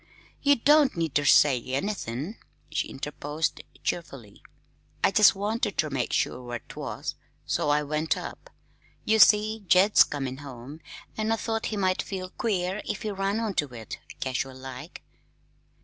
"You don't need ter say anythin'," she interposed cheerfully. "I jest wanted ter make sure where 'twas, so I went up. You see, Jed's comin' home, an' I thought he might feel queer if he run on to it, casual like."